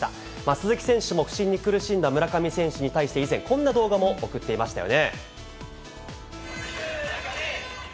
鈴木選手も不振に苦しんだ村上選手に対して、以前、こんな動画も送っていましたよね。